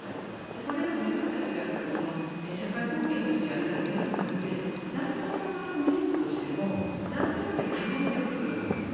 これは自分たちが社会貢献としてやるだけじゃなくて男性の側のメリットとしても男性の中に多様性を作るわけですよね。